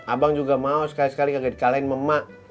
abang juga mau sekali sekali nggak dikalahin sama emak